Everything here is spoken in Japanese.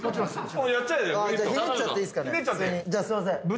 じゃあすいません。